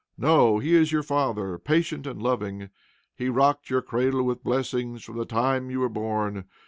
No! He is your Father, patient and loving. He rocked your cradle with blessings, from the time you were born.